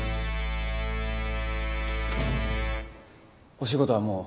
お仕事はもう。